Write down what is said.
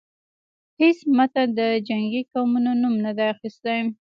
هیڅ متن د جنګی قومونو نوم نه دی اخیستی.